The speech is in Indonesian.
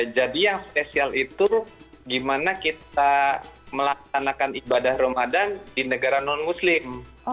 jadi yang spesial itu gimana kita melaksanakan ibadah ramadan di negara non muslim